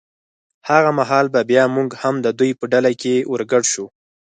هغه مهال به بیا موږ هم د دوی په ډله کې ور ګډ شو.